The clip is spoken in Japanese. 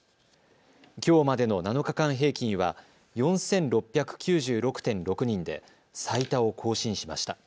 きょうまでの７日間平均は４６９６．６人で最多を更新しました。